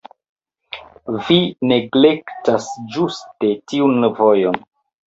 Vi neglektas ĝuste tiun vojon.